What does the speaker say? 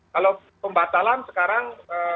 kalau pembatalan sekarang